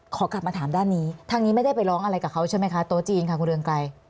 ขอกลับมาถามด้านนี้ทางนี้ไม่ได้ไปร้องอะไรกับเขาใช่ไหมคะโต๊ะจีนค่ะคุณเรืองไกร